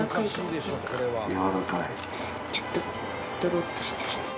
ちょっとドロッとしてる。